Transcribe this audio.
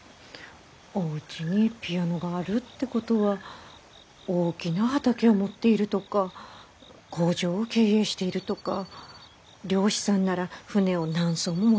おうちにピアノがあるってことは大きな畑を持っているとか工場を経営しているとか漁師さんなら船を何艘も持っているとか。